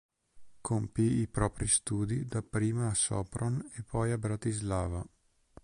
Compì i propri studi dapprima a Sopron e poi a Bratislava.